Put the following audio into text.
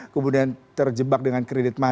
kemudian terjebak dengan kredit